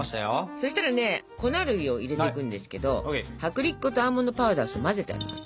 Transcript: そしたらね粉類を入れていくんですけど薄力粉とアーモンドパウダーを混ぜてあります。